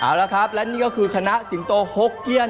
เอาละครับและนี่ก็คือคณะสิงโตหกเกี้ยน